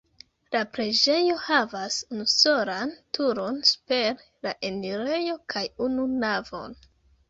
La preĝejo havas unusolan turon super la enirejo kaj unu navon.